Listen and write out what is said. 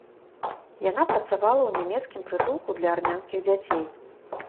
Яна працавала ў нямецкім прытулку для армянскіх дзяцей.